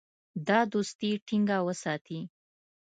دا دوستي ټینګه وساتي.